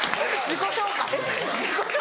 自己紹介。